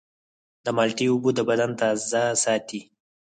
د مالټې اوبه د بدن تازه ساتي.